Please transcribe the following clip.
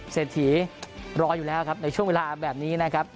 เศรษฐีรออยู่แล้วครับในช่วงเวลาแบบนี้นะครับ